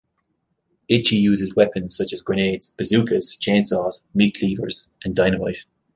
Itchy uses weapons such as grenades, bazookas, chainsaws, meat cleavers, and dynamite.